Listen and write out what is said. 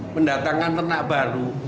mendatangkan ternak baru